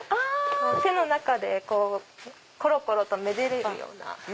手の中でころころとめでれるような。